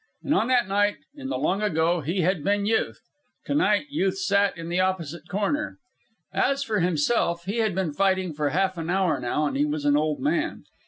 And on that night in the long ago he had been Youth. To night Youth sat in the opposite corner. As for himself, he had been fighting for half an hour now, and he was an old man.